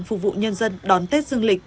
phục vụ nhân dân đón tết dương lịch